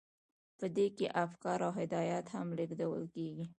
په دې کې افکار او هدایات هم لیږدول کیږي.